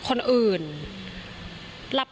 เพราะว่ามีเพื่อนซีอย่างน้ำชาชีระนัทอยู่เคียงข้างเสมอค่ะ